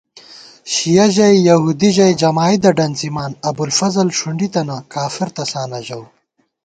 شِیَہ ژَئی، یہودی ژَئی، جمائیدہ ڈنڅِمان * ابوالفضل ݭُونڈی تنہ، کافر تساں نہ ژَؤ